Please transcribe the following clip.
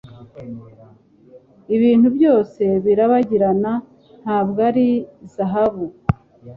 Ibintu byose birabagirana ntabwo ari zahabu